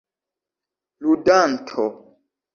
ludanto